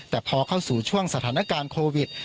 แต่พอเข้าสู่ช่วงสถานการณ์โควิด